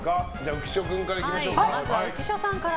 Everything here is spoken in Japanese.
浮所君からいきましょうか。